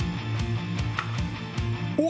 おっ！